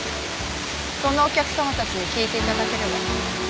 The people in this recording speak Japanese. そのお客様たちに聞いて頂ければ。